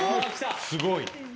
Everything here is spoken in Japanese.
すごい。